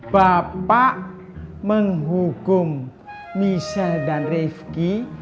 bapak menghukum michel dan rifki